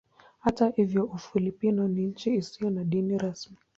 Hata hivyo Ufilipino ni nchi isiyo na dini rasmi.